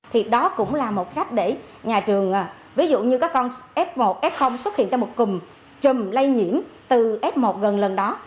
thì đó cũng là một cách để nhà trường ví dụ như có con f một f xuất hiện trong một cùng chùm lây nhiễm từ f một gần lần đó